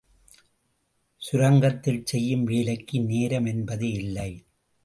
சுரங்கத்தில் செய்யும் வேலைக்கு நேரம் என்பது இல்லை.